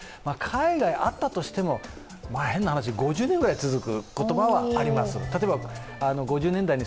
海外はあったとしても、変な話、５０年ぐらい続く言葉はあります。